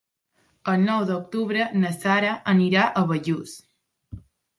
El nou d'octubre na Sara anirà a Bellús.